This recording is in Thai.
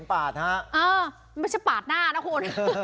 ไม่ใช่ปาดหน้านะคุณ